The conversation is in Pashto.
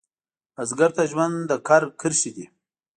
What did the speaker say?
بزګر ته ژوند د کر کرښې دي